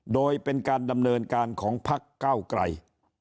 โดยเป็นการดำเนินการของพักเก้าไกล